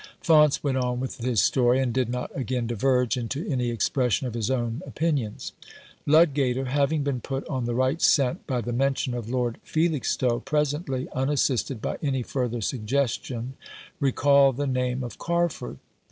Faunce went on with his story, and did not again diverge into any expression of his own opinions. Ludgater, having been put on the right scent by the mention of Lord Felixstowe, presently, un assisted by any furthur suggestion, recalled the name of Carford.